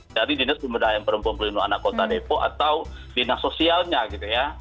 jadi dinas perempuan pelindung anak kota depok atau dinas sosialnya gitu ya